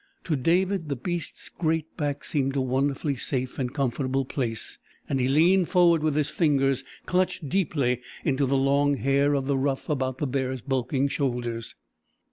To David the beast's great back seemed a wonderfully safe and comfortable place, and he leaned forward with his fingers clutched deeply in the long hair of the ruff about the bear's bulking shoulders.